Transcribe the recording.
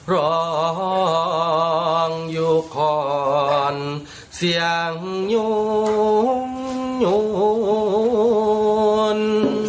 ร้องอยู่ข้อนเสียงยุ่น